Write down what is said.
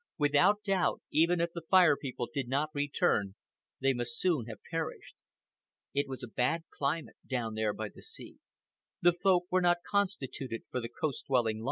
Without doubt, even if the Fire People did not return, they must soon have perished. It was a bad climate down there by the sea. The Folk were not constituted for the coast dwelling life.